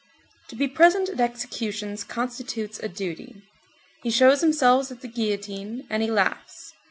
To be present at executions constitutes a duty. He shows himself at the guillotine, and he laughs.